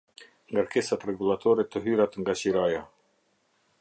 Ngarkesat rregullatore Te hyrat nga qiraja.